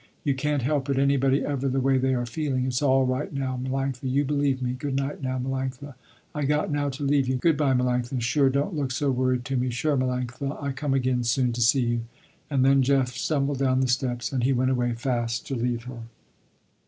You can't help it, anybody ever the way they are feeling. It's all right now Melanctha, you believe me, good night now Melanctha, I got now to leave you, good by Melanctha, sure don't look so worried to me, sure Melanctha I come again soon to see you." And then Jeff stumbled down the steps, and he went away fast to leave her.